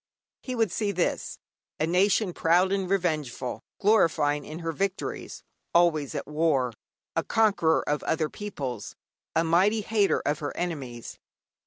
He would see this: A nation proud and revengeful, glorying in her victories, always at war, a conqueror of other peoples, a mighty hater of her enemies.